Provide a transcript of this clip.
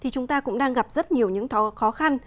chúng ta cũng đang gặp rất nhiều những khó khăn